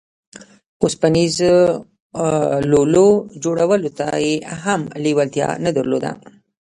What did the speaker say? اوسپنيزو لولو جوړولو ته يې هم لېوالتيا نه درلوده.